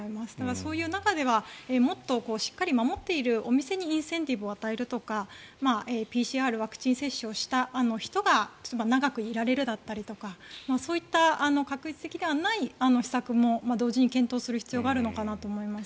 そういう中ではもっとしっかり守っているお店にインセンティブを与えるとかＰＣＲ、ワクチン接種をした人が長くいられるだったりとかそういった画一的ではない施策も同時に検討する必要があるのかなと思います。